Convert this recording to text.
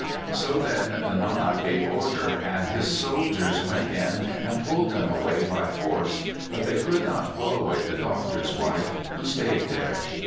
"So then the Nana gave order, and his soldiers went in and pulled them away by force. But they could not pull away the doctor's wife, who stayed there.